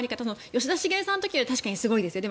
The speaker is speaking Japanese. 吉田茂さんの時は確かにすごいですよ。